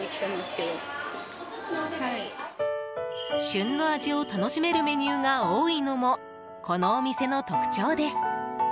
旬の味を楽しめるメニューが多いのも、このお店の特長です。